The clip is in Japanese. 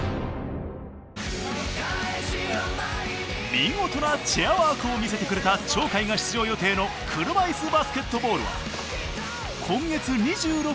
見事なチェアワークを見せてくれた鳥海が出場予定の車いすバスケットボールは今月２６日から予選リーグが始まる。